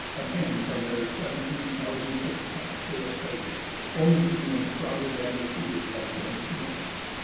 Again from their seventeen thousand foot camp they essayed it, only to be enshrouded and defeated by dense mist.